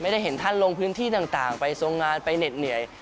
ได้เห็นท่านลงพื้นที่ต่างไปทรงงานไปเหน็ดเหนื่อย